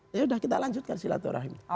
ya sudah kita lanjutkan silaturahim